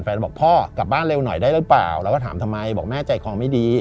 บอกพ่อกลับบ้านเร็วหน่อยได้หรือเปล่าแล้วก็ถามทำไมบอกแม่ใจคอไม่ดี